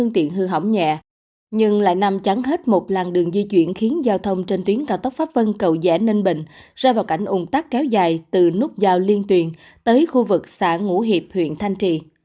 nhưng lại nằm chắn hết một làng đường di chuyển khiến giao thông trên tuyến cao tốc pháp vân cầu dẻ ninh bình rơi vào cảnh ủng tắc kéo dài từ nút giao liên tuyền tới khu vực xã ngũ hiệp huyện thanh trì